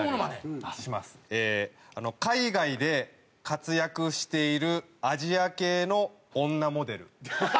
ええ海外で活躍しているアジア系の女モデル。